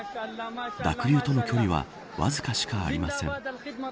濁流との距離はわずかしかありません。